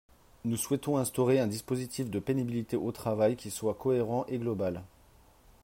Nous souhaitons instaurer un dispositif de pénibilité au travail qui soit cohérent et global.